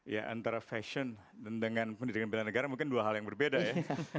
ya antara fashion dan dengan pendidikan bela negara mungkin dua hal yang berbeda ya